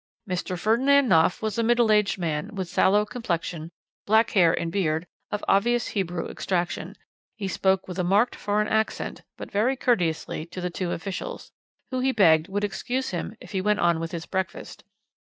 "Mr. Ferdinand Knopf was a middle aged man, with sallow complexion, black hair and beard, of obviously Hebrew extraction. He spoke with a marked foreign accent, but very courteously, to the two officials, who, he begged, would excuse him if he went on with his breakfast.